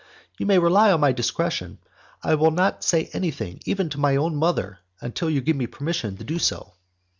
"You may rely upon my discretion. I will not say anything even to my mother, until you give me permission to do so."